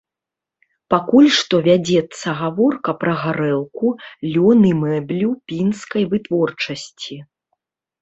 Пакуль што вядзецца гаворка пра гарэлку, лён і мэблю пінскай вытворчасці.